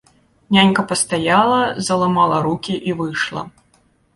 Нянька пастаяла, заламала рукі і выйшла.